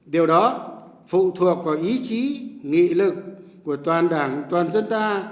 điều đó phụ thuộc vào ý chí nghị lực của toàn đảng toàn dân ta